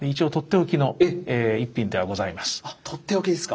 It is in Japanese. あっとっておきですか？